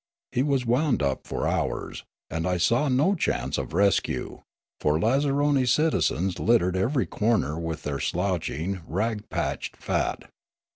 He was wound up for hours, and I saw no chance of rescue ; for lazzaroni citizens littered every corner with their slouching, rag patched' fat.